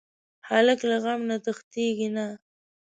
هلک له غم نه تښتېږي نه.